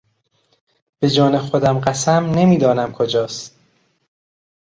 بهجان خودم قسم نمیدانم کجاست.